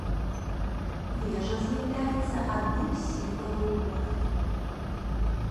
Вежа з'яўляецца адным з сімвалаў горада.